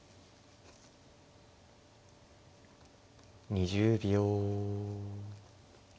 ２０秒。